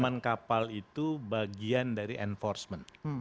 taman kapal itu bagian dari enforcement